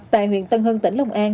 tại huyện tân hưng tỉnh long an